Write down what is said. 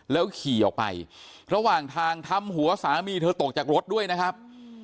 แล้วขี่ออกไประหว่างทางทำหัวสามีเธอตกจากรถด้วยนะครับ